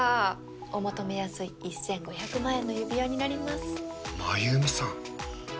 お求めやすい１５００万円の指輪になります真弓さん